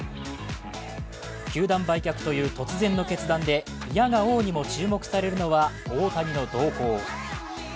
球団売却という突然の決断で否が応でも注目されるのは大谷の動向。